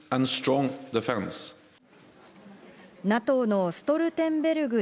ＮＡＴＯのストルテンベルグ